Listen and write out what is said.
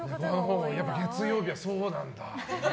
月曜日はそうなんだ。